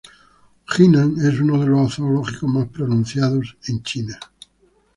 Jinan es uno de los zoológicos más pronunciados en China.